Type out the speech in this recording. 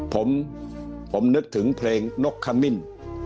ผมนึกถึงเพลงนกขมิ้น